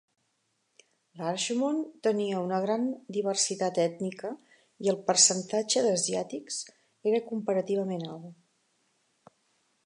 Larchmont tenia una gran diversitat ètnica i el percentatge d'asiàtics era comparativament alt.